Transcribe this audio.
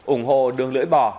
ủng hộ đường lưỡi bỏ